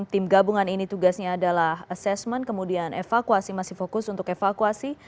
tim gabungan ini tugasnya adalah assessment kemudian evakuasi masih fokus untuk evakuasi